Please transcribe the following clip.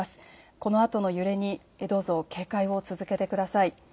このあとの揺れにどうぞ警戒を続けてください。